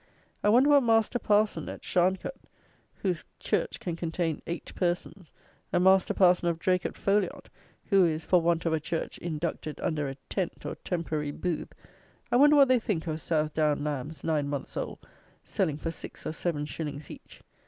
I wonder what master parson of Sharncut, whose church can contain eight persons, and master parson of Draycot Foliot, who is, for want of a church, inducted under a tent, or temporary booth; I wonder what they think of South down lambs (9 months old) selling for 6 or 7 shillings each!